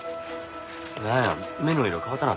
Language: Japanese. なんや目の色変わったな